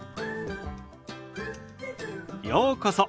ようこそ。